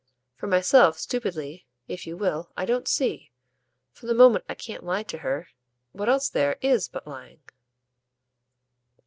For myself, stupidly, if you will, I don't see, from the moment I can't lie to her, what else there IS but lying."